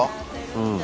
うん。